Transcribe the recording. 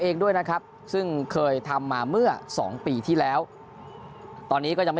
เองด้วยนะครับซึ่งเคยทำมาเมื่อสองปีที่แล้วตอนนี้ก็ยังไม่